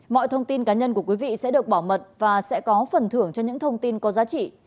mọi thông tin cá nhân của quý vị sẽ được bảo mật và sẽ có phần thưởng cho những thông tin có giá trị